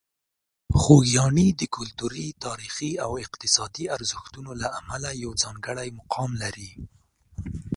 خوږیاڼي د کلتوري، تاریخي او اقتصادي ارزښتونو له امله یو ځانګړی مقام لري.